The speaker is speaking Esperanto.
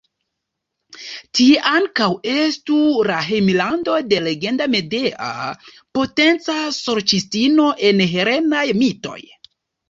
Tie ankaŭ estu la hejmlando de legenda Medea, potenca sorĉistino en helenaj mitoj.